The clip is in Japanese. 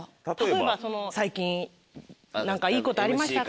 「最近何かいいことありましたか？」